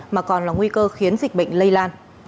mà còn là nguy cơ khiến dịch bệnh lây lan